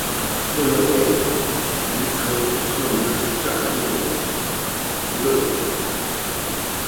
裸菀为菊科裸菀属下的一个种。